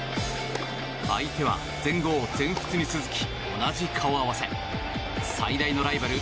相手は全豪、全仏に続き同じ顔合わせ最大のライバル